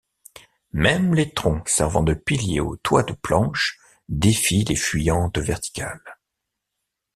Même les troncs servant de piliers au toit de planches défient les fuyantes verticales.